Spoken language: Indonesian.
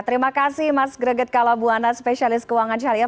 terima kasih mas greget kalabuana spesialis keuangan syariah